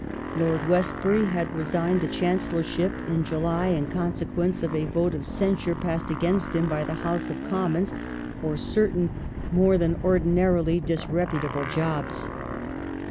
^^^ 5 1866 Lord Westbury had resigned the Chancellorship in July in conse quence of a vote of censure passed against him by the House of Commons, for certain more than ordinarily disreputable jobs.